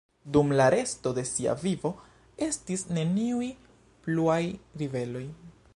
Dum la resto de sia vivo estis neniuj pluaj ribeloj.